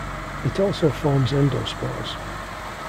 It also forms endospores.